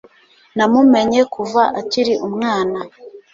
Namumenye kuva akiri umwana.